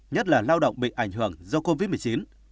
nhất là lao động bị ảnh hưởng do covid một mươi chín